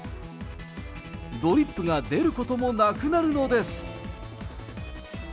ドリップが出ることもなくなるのです。